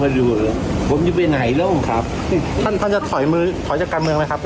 อยู่ผมจะไปไหนโล่งครับท่านท่านจะถอยมือถอยจากการเมืองไหมครับ